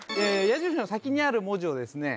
矢印の先にある文字をですね